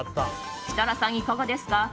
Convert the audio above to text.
設楽さん、いかがですか？